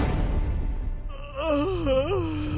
ああ。